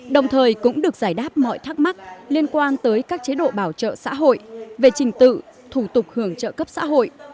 đồng thời cũng được giải đáp mọi thắc mắc liên quan tới các chế độ bảo trợ xã hội về trình tự thủ tục hưởng trợ cấp xã hội